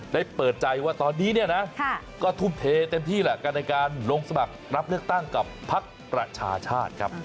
ได้เปิดใจว่าตอนนี้ก็ทุ่มเทเต็มที่การไปลงสมัครรับเลือกตั้งกับภักดิ์ประชาชาติครับ